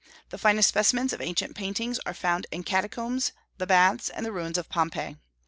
The finest specimens of ancient paintings are found in catacombs, the baths, and the ruins of Pompeii.